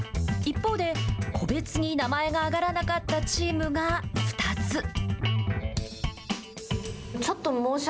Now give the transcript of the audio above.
一方で、個別に名前が挙がらなかったチームが２つ。